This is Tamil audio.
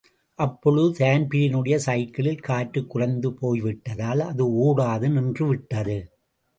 அப்பொழுது தான்பிரீனுடைய சைக்கிளில் காற்றுக் குறைந்து போய்விட்டதால் அது ஓடாது நின்று விட்டது.